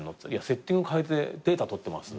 「セッティングかえてデータ取ってます」